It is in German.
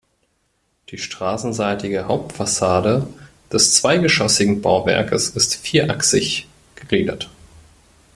Die straßenseitige Hauptfassade des zweigeschoßigen Bauwerkes ist vierachsig gegliedert.